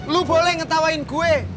lo boleh ngetawain gue